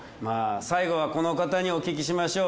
最後はこの方にお聞きしましょう。